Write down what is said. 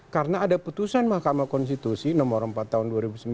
karena ada putusan mahkamah konstitusi nomor empat tahun dua ribu sembilan